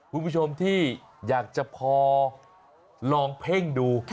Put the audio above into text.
คุณผู้ชมที่อยากจะพอลองเพ่งดู